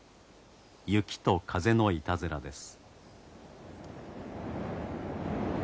雪と風のいたずらです。